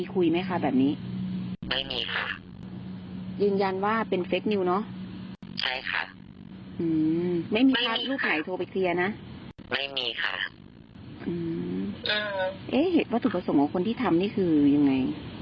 คือเรื่องเงินเนี่ยมันก็ผ่านไปแล้วเนอะแต่สำหรับถ้าเงินต่อไปต่อไปคงไม่กล้ารับหรอกค่ะ